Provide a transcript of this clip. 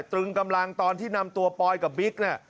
ตรึงกำลังตอนที่นำตัวปอยกับบิ๊กเนี่ย